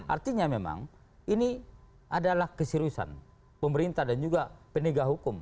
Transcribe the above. artinya memang ini adalah keseriusan pemerintah dan juga penegak hukum